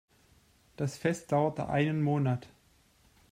Das Fest dauerte einen Monat.